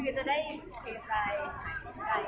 เวลาแรกพี่เห็นแวว